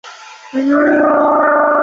电流流经改装的线路